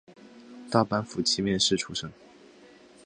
大阪府箕面市出生。